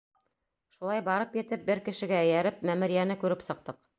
Шулай барып етеп, бер кешегә эйәреп, мәмерйәне күреп сыҡтыҡ.